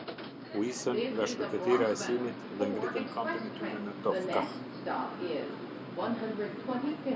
U isën nga shkretëtira e Sinit dhe ngritën kampin e tyre në Dofkah.